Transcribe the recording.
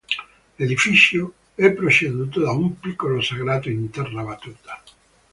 L'edificio è proceduto da un piccolo sagrato in terra battuta.